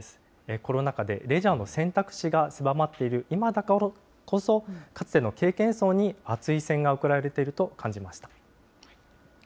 コロナ禍でレジャーの選択肢が狭まっている今だからこそ、かつての経験層に熱い視線が送られていると感じました。